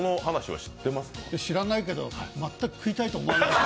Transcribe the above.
知らないけど、全く食いたいと思わないね。